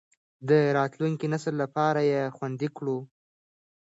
د راتلونکي نسل لپاره یې خوندي کړو.